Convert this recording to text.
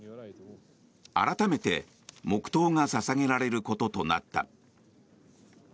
改めて黙祷が捧げられることとなった。